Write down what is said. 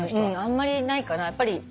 あんまりないかな。